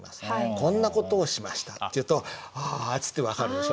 「こんな事をしました」って言うと「あ」っつって分かるでしょ。